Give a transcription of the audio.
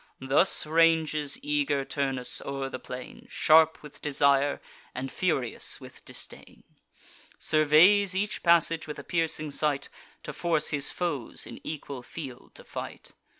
Thus ranges eager Turnus o'er the plain. Sharp with desire, and furious with disdain; Surveys each passage with a piercing sight, To force his foes in equal field to fight.